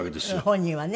本人はね。